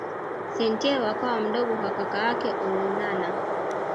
Santeu akawa mdogo kwa kaka yake Olonana